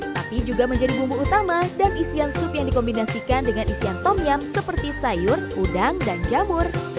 tapi juga menjadi bumbu utama dan isian sup yang dikombinasikan dengan isian tomyam seperti sayur udang dan jamur